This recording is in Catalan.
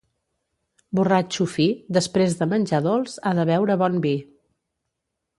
Borratxo fi, després de menjar dolç ha de beure bon vi.